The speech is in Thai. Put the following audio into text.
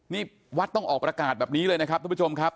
นี่วัดต้องออกประกาศแบบนี้เลยนะครับทุกผู้ชมครับ